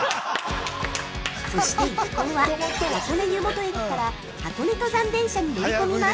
◆そして、一行は箱根湯本駅から箱根登山電車に乗り込みます。